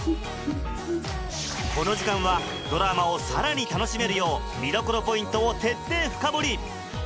この時間はドラマをさらに楽しめるよう見どころポイントを徹底深掘り！